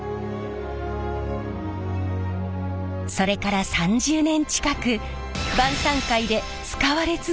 それから３０年近く晩さん会で使われ続けています。